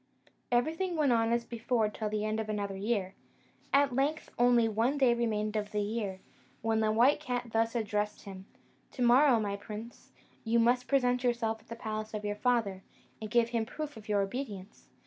Everything went on as before till the end of another year. At length only one day remained of the year, when the white cat thus addressed him: "To morrow, my prince, you must present yourself at the palace of your father, and give him a proof of your obedience.